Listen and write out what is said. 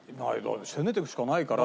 攻めていくしかないから。